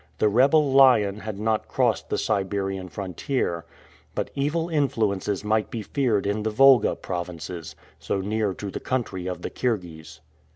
The rebel lion had not crossed the Siberian frontier, but evil influences might be feared in the Volga provinces, so near to the country of the Kirghiz.